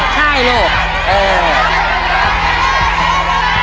ใช่ลูก